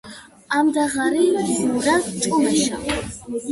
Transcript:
ამდაღარი ღურა ჭუმეშა